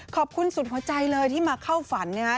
ขอบคุณสุดหัวใจเลยที่มาเข้าฝันนะฮะ